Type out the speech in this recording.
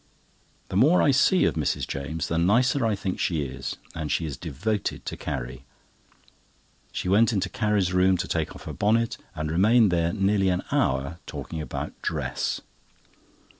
The more I see of Mrs. James the nicer I think she is, and she is devoted to Carrie. She went into Carrie's room to take off her bonnet, and remained there nearly an hour talking about dress.